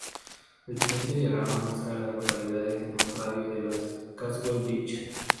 El siguiente diagrama muestra a las localidades en un radio de de Caswell Beach.